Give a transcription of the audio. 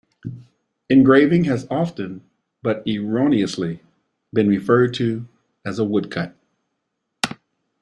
The engraving has often, but erroneously, been referred to as a woodcut.